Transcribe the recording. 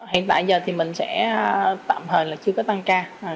hiện tại giờ thì mình sẽ tạm thời là chưa có tăng ca